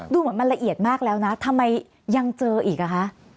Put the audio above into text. ดูเหมือนมันละเอียดมากแล้วนะทำไมยังเจออีกอ่ะคะ